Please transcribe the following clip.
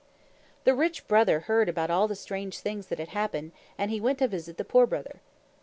The Rich Brother heard about all the strange things that had happened, and he went to visit the Poor Brother.